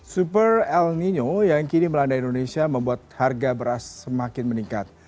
super el nino yang kini melanda indonesia membuat harga beras semakin meningkat